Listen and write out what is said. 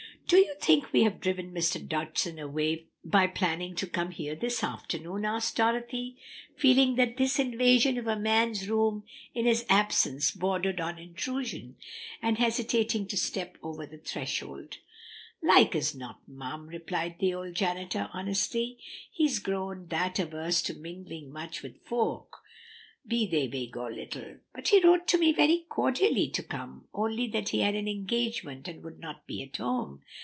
"Do you think we have driven Mr. Dodgson away by planning to come here this afternoon?" asked Dorothy, feeling that this invasion of a man's room in his absence bordered on intrusion, and hesitating to step over the threshold. "Like as not, mum," replied the old janitor honestly, "he's grown that averse to mingling much with folk, be they big or little." "But he wrote me very cordially to come, only that he had an engagement and would not be at home."